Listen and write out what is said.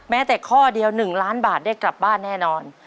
แม้แต่ข้อเดียว๑ล้านบาทได้กลับบ้านแน่นอน